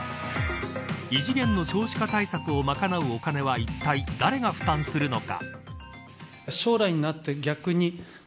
異次元の少子化対策を賄うお金はいったい誰が負担するのか。